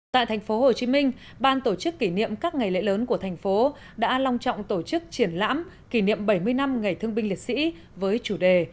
tại thành phố hồ chí minh ban tổ chức kỷ niệm các ngày lễ lớn của thành phố đã long trọng tổ chức triển lãm kỷ niệm bảy mươi năm ngày thương binh liệt sĩ với chủ đề